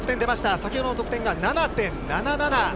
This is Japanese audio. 先ほどの得点が７．７７。